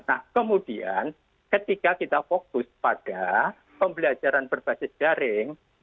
nah kemudian ketika kita fokus pada pembelajaran berbasis daring